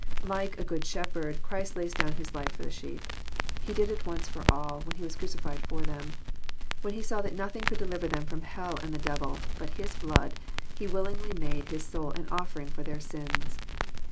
Like a Good Shepherd, Christ lays down His life for the sheep. He did it once for all, when He was crucified for them. When He saw that nothing could deliver them from hell and the devil, but His blood. He willingly made His soul an offering for their sins.